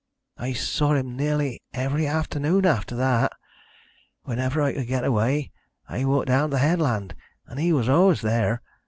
"I saw him nearly every afternoon after that whenever I could get away I walked down to the headland, and he was always there.